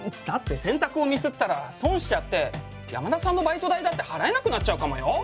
だって選択をミスったら損しちゃって山田さんのバイト代だって払えなくなっちゃうかもよ！